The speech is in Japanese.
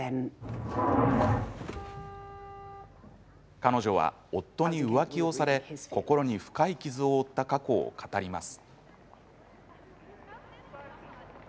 彼女は夫に浮気をされ心に深い傷を負った過去を語ります。